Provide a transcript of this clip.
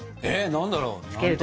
何だろう？